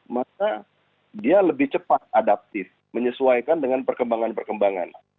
maka dia lebih cepat adaptif menyesuaikan dengan perkembangan perkembangan